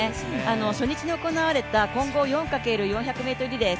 初日に行われた混合４×４００ｍリレー